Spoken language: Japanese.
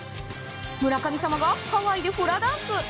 村神様がハワイでフラダンス。